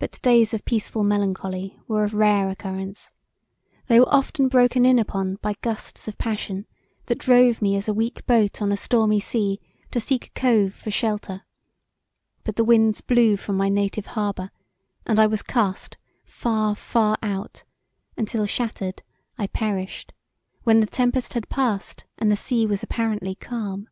But days of peaceful melancholy were of rare occurence[:] they were often broken in upon by gusts of passion that drove me as a weak boat on a stormy sea to seek a cove for shelter; but the winds blew from my native harbour and I was cast far, far out untill shattered I perished when the tempest had passed and the sea was apparently calm.